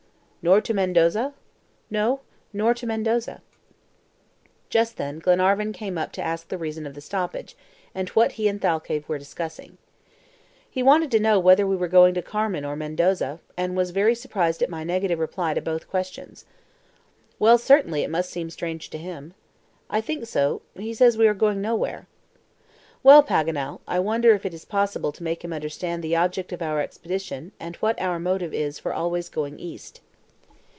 "Nor to Mendoza?" "No, nor to Mendoza." Just then Glenarvan came up to ask the reason of the stoppage, and what he and Thalcave were discussing. "He wanted to know whether we were going to Carmen or Mendoza, and was very much surprised at my negative reply to both questions." "Well, certainly, it must seem strange to him." "I think so. He says we are going nowhere." "Well, Paganel, I wonder if it is possible to make him understand the object of our expedition, and what our motive is for always going east."